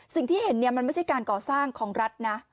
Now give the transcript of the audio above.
สิ่งที่เห็นมันไม่ใช่การก่อสร้างของรัฐนะ